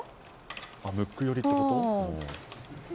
ムック寄りってこと？